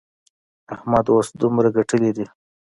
احمد اوس دومره ګټلې دي.